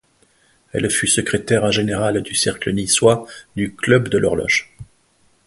Elle fut secrétaire générale du cercle niçois du Club de l'horloge.